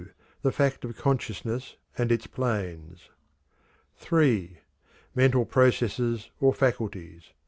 The fact of Consciousness and its planes. III. Mental processes or faculties, _i.e.